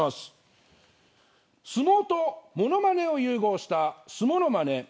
相撲と物まねを融合したすものまね。